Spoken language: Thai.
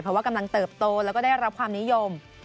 เพราะว่ากำลังเติบโตแล้วก็ได้รับความนิยม